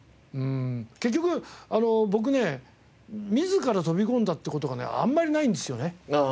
結局僕ね自ら飛び込んだっていう事がねあんまりないんですよね。